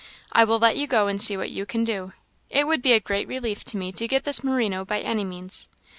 I will let you go and see what you can do. It would be a great relief to me to get this merino by any means."